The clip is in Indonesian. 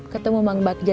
ketemu mang bagja